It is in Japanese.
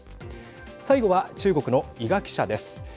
最後は、中国の伊賀記者です。